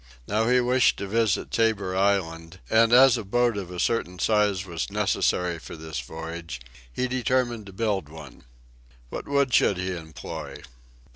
Now he wished to visit Tabor Island, and as a boat of a certain size was necessary for this voyage, he determined to build one. What wood should he employ?